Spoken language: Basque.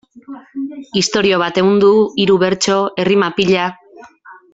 Istorio bat ehundu, hiru bertso, errima pila...